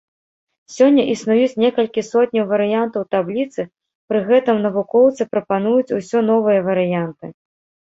Сёння існуюць некалькі сотняў варыянтаў табліцы, пры гэтым навукоўцы прапануюць усё новыя варыянты.